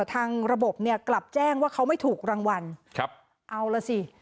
ทางระบบเนี่ยกลับแจ้งว่าเขาไม่ถูกรางวัลครับเอาล่ะสิ